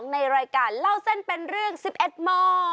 ในรายการเล่าเส้นเป็นเรื่อง๑๑มม